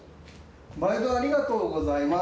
まいどありがとうございます。